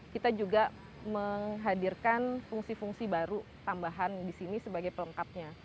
kita juga menghadirkan fungsi fungsi baru tambahan di sini sebagai pelengkapnya